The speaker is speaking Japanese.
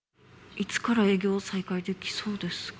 いつから営業再開できそうですか？